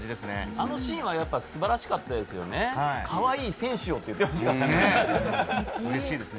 あのシーンは素晴らしかったですよね、かわいい選手をって言ってましたからね。